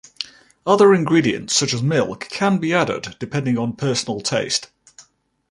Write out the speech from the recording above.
Other ingredients such as milk can be added depending on personal taste.